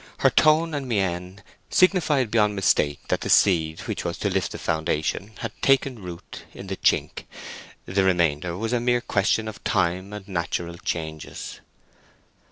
Her tone and mien signified beyond mistake that the seed which was to lift the foundation had taken root in the chink: the remainder was a mere question of time and natural changes.